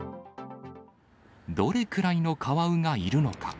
どれくらいのカワウがいるのか。